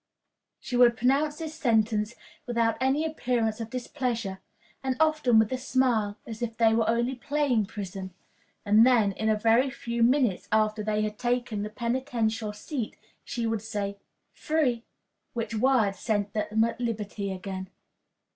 She would pronounce this sentence without any appearance of displeasure, and often with a smile, as if they were only playing prison, and then, in a very few minutes after they had taken the penitential seat, she would say Free! which word set them at liberty again.